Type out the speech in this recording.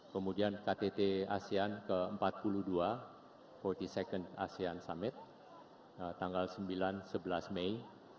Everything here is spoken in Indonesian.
kemudian ktt asean ke empat puluh dua empat puluh second asean summit tanggal sembilan sebelas mei